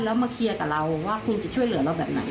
แล้วมาเคลียร์กับเราว่าคุณจะช่วยเหลือเราแบบไหน